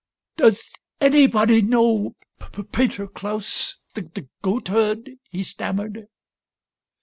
" Does anybody know Peter Klaus, the goat herd ?" he stammered.